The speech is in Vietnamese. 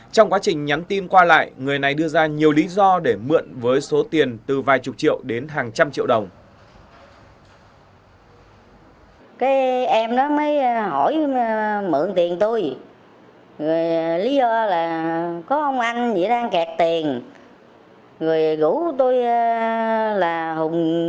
trong quá trình nhắn tin qua lại người này đưa ra nhiều lý do để mượn với số tiền từ vài chục triệu đến hàng trăm triệu đồng